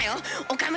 岡村